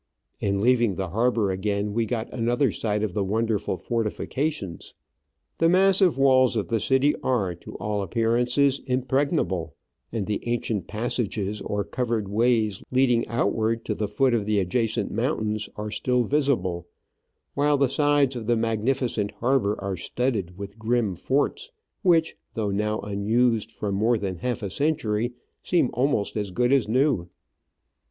In leaving the harbour again we got another sight of the wonderful fortifications. The massive walls of the city are to all appearances impregnable, and the ancient passages or covered ways leading outward to the foot of the adjacent mountains are still visible ; while the sides of the magnificent harbour are studded with grim forts, which, though now unused for more than half a century, seem almost as good as new.